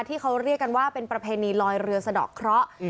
ที่เขาเรียกกันว่าเป็นประเพณีลอยเรือสะดอกเคราะห์